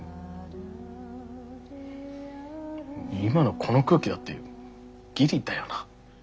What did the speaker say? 今のこの空気だってギリだよな。